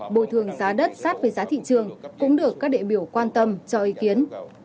bồi thường giá đất sát với giá thị trường cũng được các đại biểu quan tâm cho ý kiến